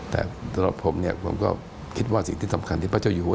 แต่ตอนตอนนี้ก็ผมก็คิดว่าสิ่งที่ทำขารที่พระเจ้าอยู่ว่า